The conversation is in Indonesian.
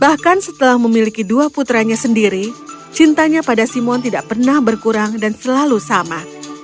bahkan setelah memiliki dua putranya sendiri cintanya pada simon tidak pernah berkurang dan selalu sama